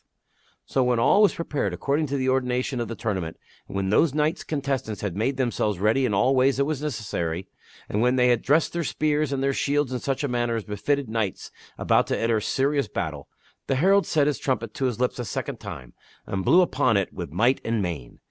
KAY ACHIEVES CREDIT I3 So, when all was prepared according to the ordination of the tourna ment, and when those knights contestant had made themselves ready in all ways that were necessary, and when they aad dressed their spears and their shields in such a manner as befitted knights about to enter serious battle, the herald set his trumpet to his lips a second time and blew upon it with might and main.